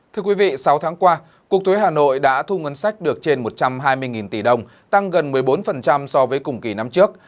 thưa quý vị sáu tháng qua cục thuế hà nội đã thu ngân sách được trên một trăm hai mươi tỷ đồng tăng gần một mươi bốn so với cùng kỳ năm trước